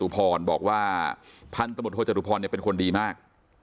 พันธมตโทษธุพรบอกว่าพันธมตโทษธุพรเป็นคนดีมาก